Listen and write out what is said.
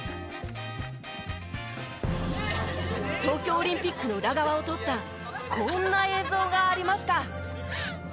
東京オリンピックの裏側を撮ったこんな映像がありました。